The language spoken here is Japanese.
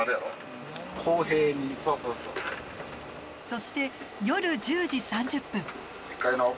そして、夜１０時３０分。